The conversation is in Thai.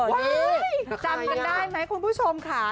จำกันได้ไหมคุณผู้ชมค่ะ